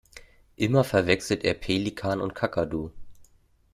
Immer verwechselt er Pelikan und Kakadu.